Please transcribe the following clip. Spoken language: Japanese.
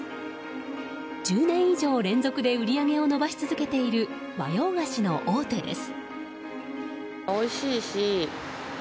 １０年以上連続で売り上げを伸ばし続けている和洋菓子の大手です。